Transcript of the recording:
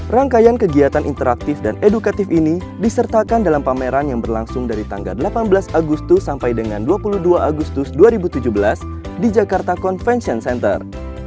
rangkaian kegiatan interaktif dan edukatif ini disertakan dalam pameran yang berlangsung dari tanggal delapan belas agustus sampai dengan dua puluh dua agustus dua ribu tujuh belas di jakarta convention center